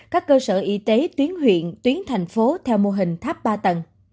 các cơ sở y tế tuyến huyện tuyến thành phố theo mô hình tháp ba tầng